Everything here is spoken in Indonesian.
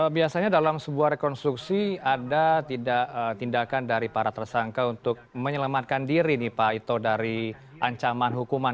biasanya dalam sebuah rekonstruksi ada tindakan dari para tersangka untuk menyelamatkan diri nih pak ito dari ancaman hukuman